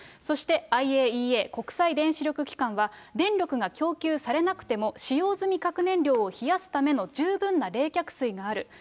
そしてＩＡＥＡ・国際原子力機関は、電力が供給されなくても、使用済み核燃料を冷やすための十分な冷却水がある。